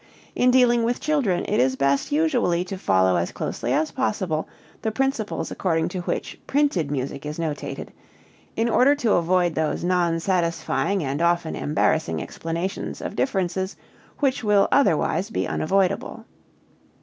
In dealing with children it is best usually to follow as closely as possible the principles according to which printed music is notated, in order to avoid those non satisfying and often embarrassing explanations of differences which will otherwise be unavoidable.